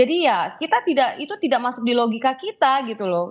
ya kita itu tidak masuk di logika kita gitu loh